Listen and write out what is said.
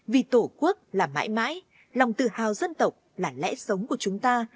vì tổ quốc là mãi mãi lòng tự hào dân tộc là lẽ sống của chúng ta